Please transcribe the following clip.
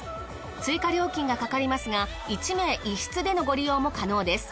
追加料金がかかりますが１名１室でのご利用も可能です。